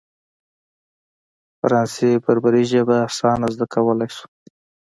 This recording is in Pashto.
فرانسې بربري ژبه اسانه زده کولای شو.